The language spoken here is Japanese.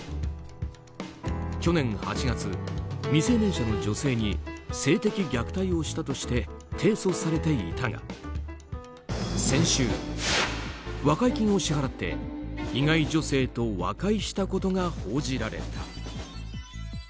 去年８月、未成年者の女性に性的虐待をしたとして提訴されていたが先週、和解金を支払って被害女性と和解したことが報じられた。